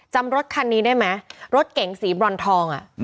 รถคันนี้ได้ไหมรถเก๋งสีบรอนทอง